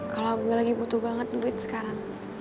kalau gue lagi butuh banget duit sekarang